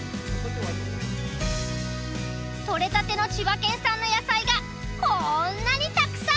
取れたての千葉県産の野菜がこんなにたくさん。